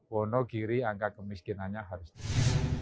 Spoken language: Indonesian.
wonogiri angka kemiskinannya harus tinggi